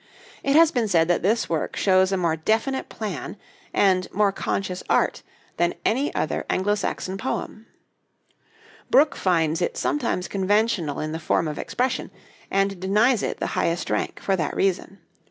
It has been said that this work shows a more definite plan and more conscious art than any other Anglo Saxon poem. Brooke finds it sometimes conventional in the form of expression, and denies it the highest rank for that reason.